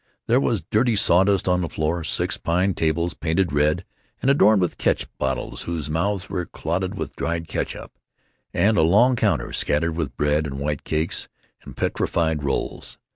There was dirty sawdust on the floor, six pine tables painted red and adorned with catsup bottles whose mouths were clotted with dried catsup, and a long counter scattered with bread and white cakes and petrified rolls.